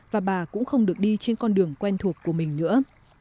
và bà cũng không được đi trên con đường quen thuộc của mình nữa